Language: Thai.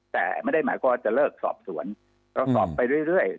แต่ไม่ได้หมายความว่าจะเลิกสอบสวนเราสอบไปเรื่อย